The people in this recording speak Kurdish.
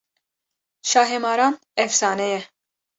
Şahmaran efsane ye